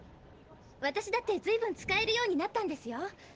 私だってずいぶん使えるようになったんですよ。